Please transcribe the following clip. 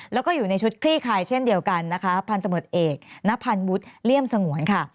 แล้วก็อยู่ในชุดคลี่คลายเช่นเดียวกันนะคะพเณพบเลี่ยมสงวนค่ะ